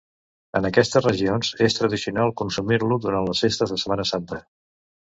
En aquestes regions és tradicional consumir-lo durant les festes de Setmana Santa.